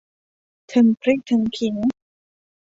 ถึงพริกถึงขิง